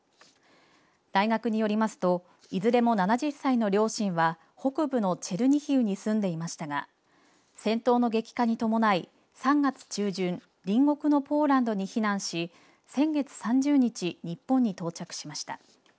大学によりますといずれも７０歳の両親は北部のチェルニヒウに住んでいましたが戦闘の激化に伴い３月中旬隣国のポーランドに避難し先月３０日日本に到着しました。